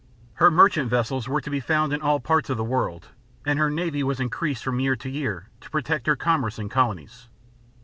Her merchant vessels were to be found in all parts of the world; and her navy was increased from year to year to protect her commerce and colonies.